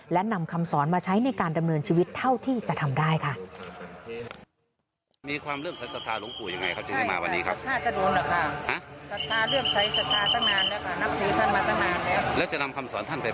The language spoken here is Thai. และนำคำสอนมาใช้ในการดำเนินชีวิตเท่าที่จะทำได้ค่ะ